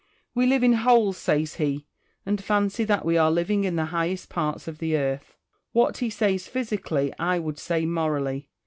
" We live in holes," says he, " and fancy that we are living in the highest parts of the earth." What he says physically I would say morally.